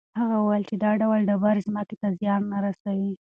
هغه وایي چې دا ډول ډبرې ځمکې ته زیان نه رسوي.